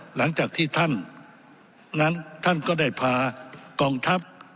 หลังจากที่ท่านนั้นท่านก็ได้พากองทัพ